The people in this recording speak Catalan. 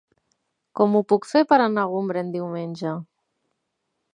Com ho puc fer per anar a Gombrèn diumenge?